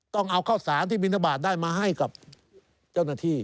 ต้องเอาข้าวสารที่บินทบาทได้มาให้กับเจ้าหน้าที่